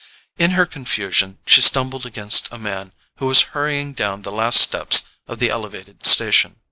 In her confusion she stumbled against a man who was hurrying down the last steps of the elevated station.